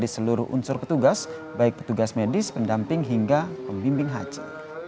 di seluruh unsur petugas baik petugas medis pendamping hingga pembimbing haji